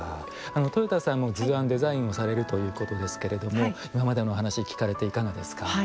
とよたさんも図案デザインをされるということですけれども今までのお話聞かれていかがですか。